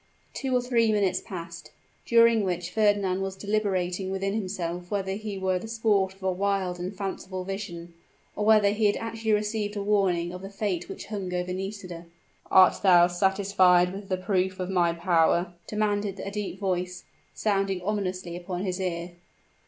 Two or three minutes passed during which Fernand was deliberating within himself whether he were the sport of a wild and fanciful vision, or whether he had actually received a warning of the fate which hung over Nisida. "Art thou satisfied with the proof of my power?" demanded a deep voice, sounding ominously upon his ear.